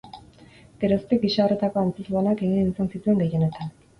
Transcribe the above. Geroztik gisa horretako antzezlanak egin izan zituen gehienetan.